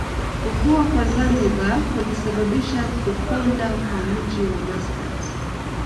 Kukua kwa Zanzibar kulisababisha kukonda kwa mji wa Maskat